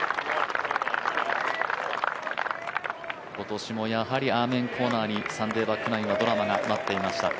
今年もやはりアーメンコーナーにサンデーバックナインはドラマが待っていました。